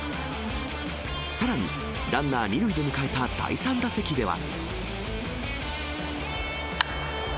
さらに、ランナー２塁で迎えた第３打席では。